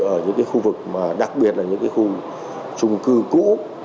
ở những cái khu vực mà đặc biệt là những cái khu trung cư cũ